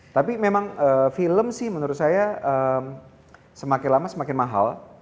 tapi memang film sih menurut saya semakin lama semakin mahal